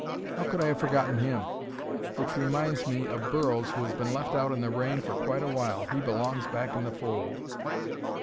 How could I have forgotten him? Which reminds me of Burroughs who has been left out in the rain for quite a while. He belongs back in the fold.